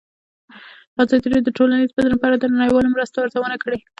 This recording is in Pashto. ازادي راډیو د ټولنیز بدلون په اړه د نړیوالو مرستو ارزونه کړې.